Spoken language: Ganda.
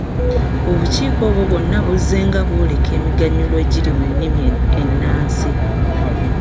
Obukiiko obwo bwonna buzzenga bwoleka emiganyulo egiri mu nnimi ennansi.